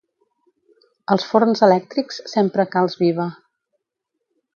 Als forns elèctrics s'empra calç viva.